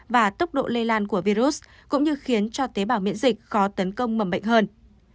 và tốc độ lây lan của virus cũng như khiến cho tế bào miễn dịch khó tấn công mầm bệnh hơn